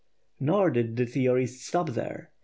Nor did the theorists stop there.